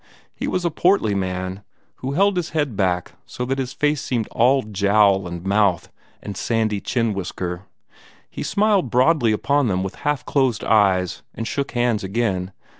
He was a portly man, who held his head back so that his face seemed all jowl and mouth and sandy chin whisker. He smiled broadly upon them with half closed eyes, and shook hands again.